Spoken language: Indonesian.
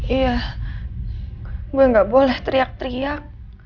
iya gue gak boleh teriak teriak